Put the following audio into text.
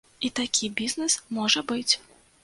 І такі бізнес можа быць.